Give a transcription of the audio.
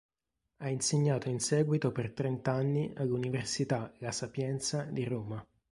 Ha insegnato in seguito per trent’anni all’Università La Sapienza di Roma.